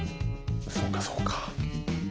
そうかそうか。